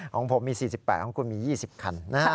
ของผมมี๔๘ของคุณมี๒๐คัน